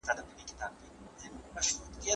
روژه د عصبي حجرو بیا رغېدو ته وده ورکوي.